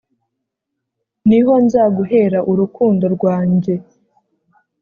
ni ho nzaguhera urukundo rwanjye.